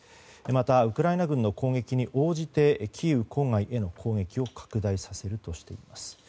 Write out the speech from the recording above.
また、ウクライナ軍の攻撃に応じてキーウ郊外への攻撃を拡大させるとしています。